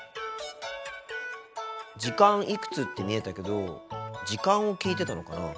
「時間いくつ」って見えたけど時間を聞いてたのかな？